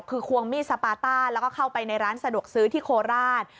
คือควงมีดสปาต้าแล้วก็เข้าไปในร้านสะดวกซื้อที่โคราช